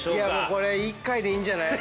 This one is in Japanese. これ１回でいいんじゃない？